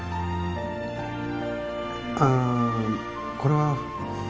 あこれは。